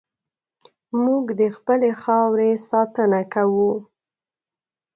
موږ د خپلې خاورې ساتنه کوو.